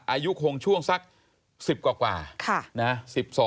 อายุคงช่วงสัก๑๐กว่านะ